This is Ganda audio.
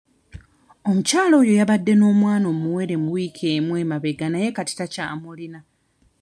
Omukyala oyo yabadde n'omwana omuwere mu wiiki emu emabega naye kati takyamulina